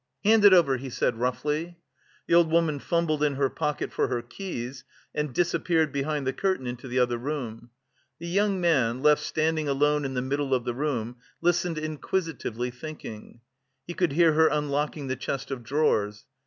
"Hand it over," he said roughly. The old woman fumbled in her pocket for her keys, and disappeared behind the curtain into the other room. The young man, left standing alone in the middle of the room, listened inquisitively, thinking. He could hear her unlocking the chest of drawers.